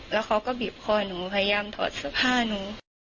แล้วเขาก็บีบคอหนูพยายามถอดเสื้อผ้าหนู